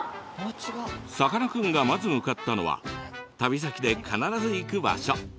さかなクンがまず向かったのは旅先で必ず行く場所。